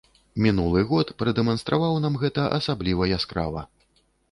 Мінулы год прадэманстраваў нам гэта асабліва яскрава.